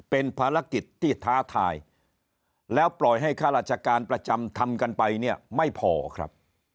เป็นภารกิจที่ท้าทายแล้วปล่อยให้ข้าราชการประจำทำกันไปเนี่ยไม่พอครับ